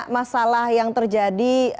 masalah yang terjadi